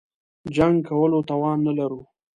جنګ کولو توان نه لرو.